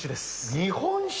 日本酒？